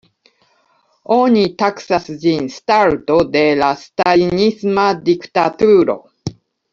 Oni taksas ĝin starto de la stalinisma diktaturo.